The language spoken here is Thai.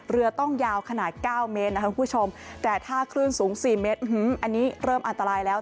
เรือต้องยาวขนาด๙เมตรนะครับคุณผู้ชมแต่ถ้าคลื่นสูง๔เมตรอันนี้เริ่มอันตรายแล้ว